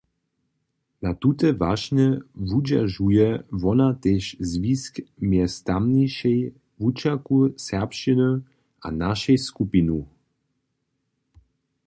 Na tute wašnje wudźeržuje wona tež zwisk mjez tamnišej wučerku serbšćiny a našej skupinu.